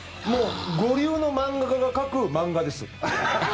五流の漫画家が描く漫画です。